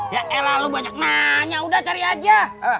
ya elah lu banyak banyak udah cari aja